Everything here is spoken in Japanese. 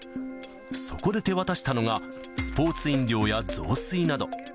そこで手渡したのが、スポーツ飲料や雑炊など。